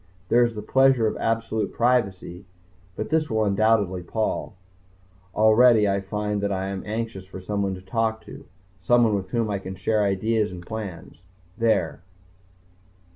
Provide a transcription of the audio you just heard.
There is the pleasure of absolute privacy. But this will undoubtedly pall. Already I find that I am anxious for someone to talk to, someone with whom I can share ideas and plans. There